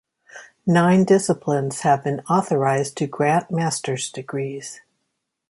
Nine disciplines have been authorized to grant master's degrees.